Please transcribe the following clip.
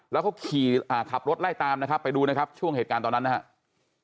แล้วเขาขี่ขับรถไล่ตามนะครับไปดูนะครับช่วงเหตุการณ์ตอนนั้นนะครับ